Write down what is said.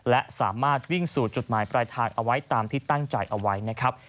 และสามารถวิ่งสู่จุดหมายปลายทางเอาไว้ตามที่ตั้งใจเอาไว้นะครับ